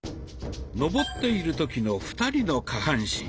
上っている時の２人の下半身。